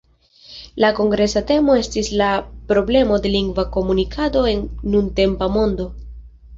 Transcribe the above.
La kongresa temo estis "La problemo de lingva komunikado en nuntempa mondo".